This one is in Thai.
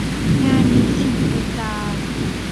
งานนี้มีอิ่มพุงกาง